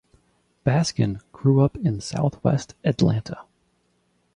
Baskin grew up in Southwest Atlanta.